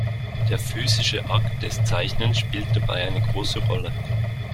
Der physische Akt des Zeichnens spielt dabei eine große Rolle.